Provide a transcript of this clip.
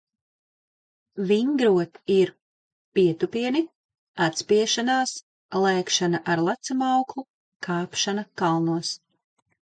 Vingrot ir - pietupieni, atspiešanās, lēkšana ar lecamauklu, kāpšana kalnos.